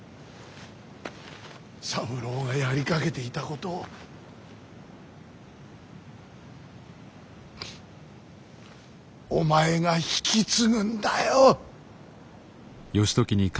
三郎がやりかけていたことをお前が引き継ぐんだよ。